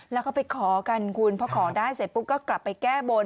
แล้วก็ไปขอกันคุณพอขอได้เสร็จปุ๊บก็กลับไปแก้บน